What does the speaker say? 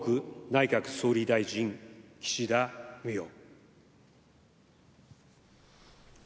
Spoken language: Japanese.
内閣総理大臣岸田文雄。